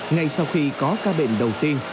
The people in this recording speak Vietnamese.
ngay sau khi có ca bệnh đầu tiên